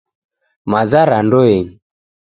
Maza ra ndoenyi